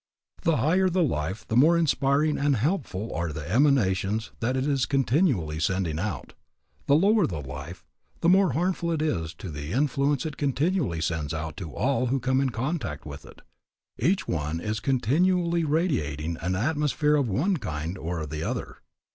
The higher the life the more inspiring and helpful are the emanations that it is continually sending out. The lower the life the more harmful is the influence it continually sends out to all who come in contact with it. Each one is continually radiating an atmosphere of one kind or the other.